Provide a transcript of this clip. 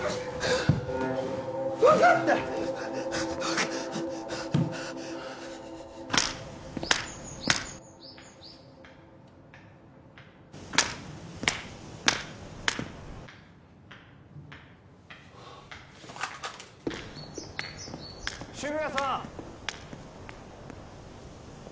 分かった渋谷さん！